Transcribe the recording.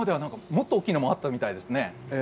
もっと大きいのもあったそうですね。